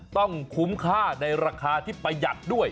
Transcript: ต้องคุ้มค่าในราคาที่ประหยัดด้วย